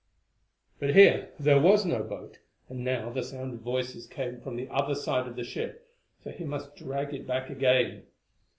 But here there was no boat, and now the sound of voices came from the other side of the ship, so he must drag it back again.